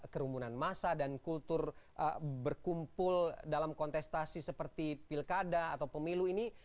kerumunan massa dan kultur berkumpul dalam kontestasi seperti pilkada atau pemilu ini